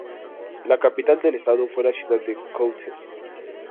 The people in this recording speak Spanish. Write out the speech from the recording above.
La capital del Estado fue la ciudad de Köthen.